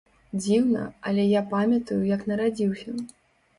Дзіўна, але я памятаю, як нарадзіўся.